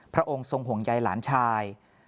พระองค์ทรงห่วงใยหลานชาย